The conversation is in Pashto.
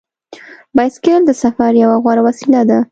بایسکل د سفر یوه غوره وسیله ده.